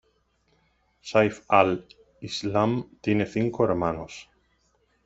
Saif al Islam tiene cinco hermanos.